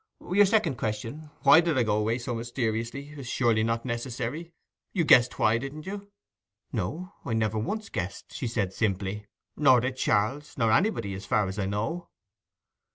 —Your second question, why did I go away so mysteriously, is surely not necessary. You guessed why, didn't you?' 'No, I never once guessed,' she said simply; 'nor did Charles, nor did anybody as far as I know.